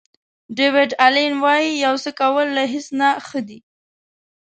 ډیویډ الین وایي یو څه کول له هیڅ نه ښه دي.